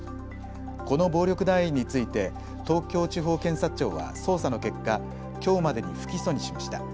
この暴力団員について東京地方検察庁は捜査の結果、きょうまでに不起訴にしました。